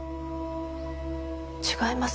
違います